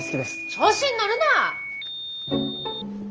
調子に乗るな！